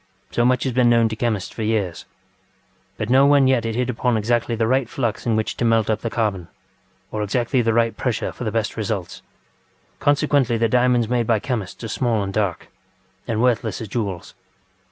So much has been known to chemists for years, but no one yet had hit upon exactly the right flux in which to melt up the carbon, or exactly the right pressure for the best results. Consequently the diamonds made by chemists are small and dark, and worthless as jewels.